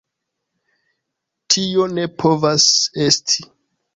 Tio ne povas esti.